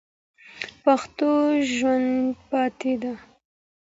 پښتو ژوندۍ پاتې ده.